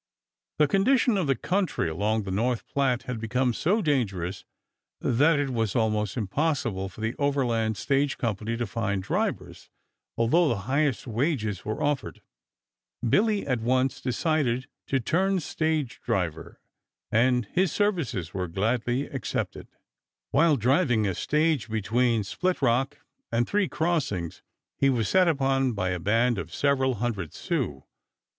The condition of the country along the North Platte had become so dangerous that it was almost impossible for the Overland Stage Company to find drivers, although the highest wages were offered. Billy at once decided to turn stage driver, and his services were gladly accepted. While driving a stage between Split Rock and Three Crossings he was set upon by a band of several hundred Sioux.